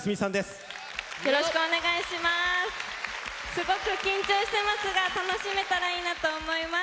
すごく緊張してますが楽しめたらいいなと思います。